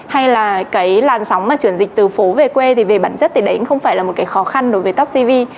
hay là cái làn sóng mà chuyển dịch từ phố về quê thì về bản chất thì đấy cũng không phải là một cái khó khăn đối với topcv